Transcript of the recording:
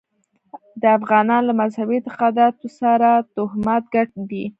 د افغانانو له مذهبي اعتقاداتو سره توهمات ګډ دي.